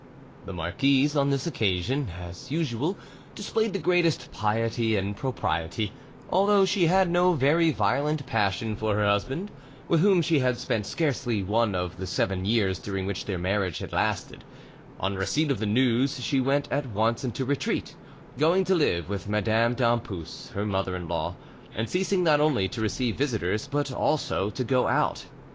The marquise on this occasion, as usual, displayed the greatest piety and propriety: although she had no very violent passion for her husband, with whom she had spent scarcely one of the seven years during which their marriage had lasted, on receipt of the news she went at once into retreat, going to live with Madame d'Ampus, her mother in law, and ceasing not only to receive visitors but also to go out.